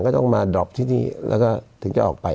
ก็ต้องมาดรอปที่นี่แล้วก็ถึงจะออกไป